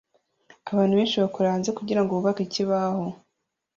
Abantu benshi bakorera hanze kugirango bubake ikibaho